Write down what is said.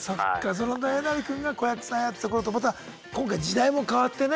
そんなえなり君が子役さんやってた頃とまた今回時代も変わってね